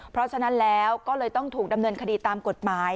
เพราะฉะนั้นแล้วก็เลยต้องถูกดำเนินคดีตามกฎหมาย